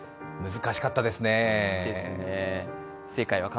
難しかったですね。